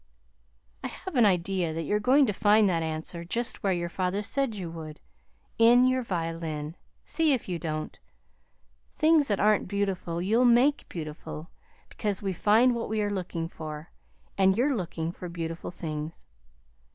"I have an idea that you're going to find that answer just where your father said you would in your violin. See if you don't. Things that aren't beautiful you'll make beautiful because we find what we are looking for, and you're looking for beautiful things.